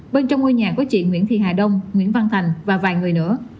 bên trong ngôi nhà có chị nguyễn thị hà đông nguyễn văn thành và vài người nữa